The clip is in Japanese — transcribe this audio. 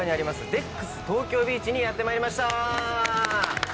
デックス東京ビーチにやってまいりました！